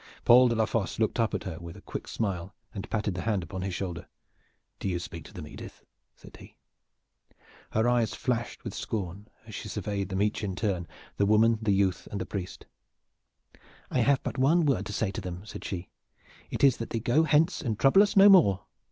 Paul de la Fosse looked up at her with a quick smile and patted the hand upon his shoulder. "Do you speak to them, Edith," said he. Her eyes flashed with scorn as she surveyed them each in turn, the woman, the youth and the priest. "I have but one word to say to them," said she. "It is that they go hence and trouble us no more.